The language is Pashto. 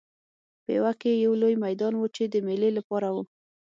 پېوه کې یو لوی میدان و چې د مېلې لپاره و.